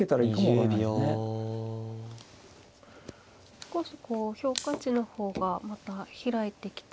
少しこう評価値の方がまた開いてきた。